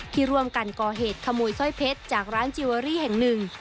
ที่ร่วมกันก่อเหตุขโมยสร้อยเพชรจากร้านจิเวอรี่แห่งหนึ่ง